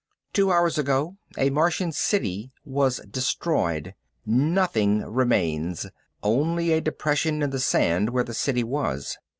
"Two hours ago a Martian city was destroyed. Nothing remains, only a depression in the sand where the city was.